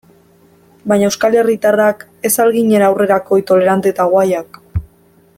Baina euskal herritarrak ez al ginen aurrerakoi, tolerante eta guayak?